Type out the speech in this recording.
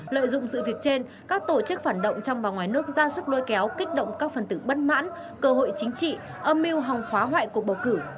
lợi dụng sự việc trên các tổ chức phản động trong và ngoài nước ra sức lôi kéo kích động các phần tử bất mãn cơ hội chính trị âm mưu hòng phá hoại cuộc bầu cử